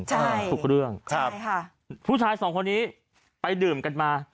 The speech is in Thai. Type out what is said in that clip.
ใช่ทุกเรื่องครับใช่ค่ะผู้ชายสองคนนี้ไปดื่มกันมา